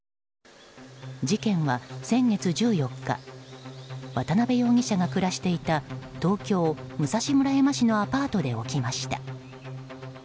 事件は、先月１４日渡辺容疑者が暮らしていた東京・武蔵村山市のアパートで起きました。